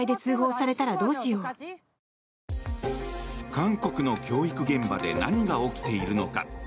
韓国の教育現場で何が起きているのか。